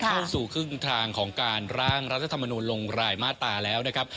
เข้าสู่ครึ่งทางของการร่างรัฐธรรมนูลลงรายมาตราแล้วนะครับ